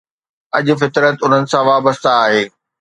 اڄ فطرت انهن سان وابسته آهي.